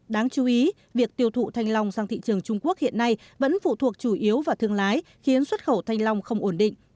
đáng chú ý việc tiêu thụ thanh long sang thị trường trung quốc hiện nay vẫn phụ thuộc chủ yếu vào thương lái khiến xuất khẩu thanh long không ổn định